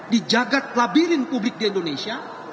di jagad labirin publik di indonesia